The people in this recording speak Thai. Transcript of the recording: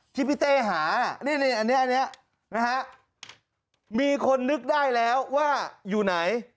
ที่พี่เต้หาอันนี้นะฮะมีคนนึกได้แล้วว่าอยู่ไหน